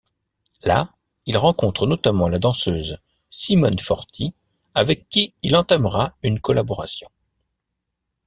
Là, il rencontre notamment la danseuse Simone Forti avec qui il entamera une collaboration.